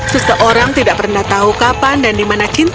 seseorang tidak pernah tahu kapan dan di mana cinta